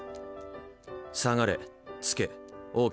「さがれ」「つけ」「ＯＫ」